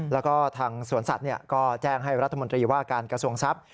แล้วก็ทางสวนสัตว์ก็แจ้งให้รัฐมนตรีว่าการกระทรวงทรัพย์